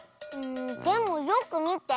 でもよくみて。